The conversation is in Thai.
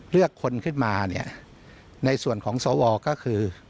เลือกคนขึ้นมาเนี่ยในส่วนของสวก็คือ